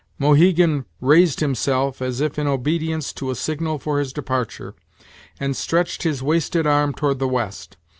Mohegan raised him self, as if in obedience to a signal for his departure, and stretched his wasted arm toward the west.